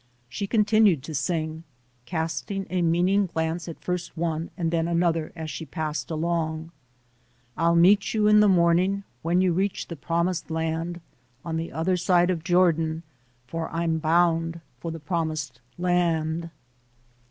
She continued to sing, casting a meaning glance at first one and then another as she passed along: I'll meet you in the morning, When you reach the promised land, On the other side of Jordan, For I'm bound for the promised land.